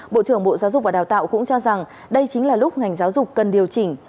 bộ trưởng bộ giáo dục và đào tạo cũng cho rằng đây chính là lúc ngành giáo dục cần điều chỉnh